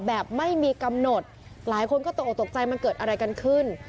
แบบไม่มีกำหนดหลายคนก็ตกออกตกใจมันเกิดอะไรกันขึ้น